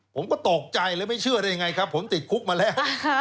ผมก็ตกใจเลยไม่เชื่อได้ยังไงครับผมติดคุกมาแล้ว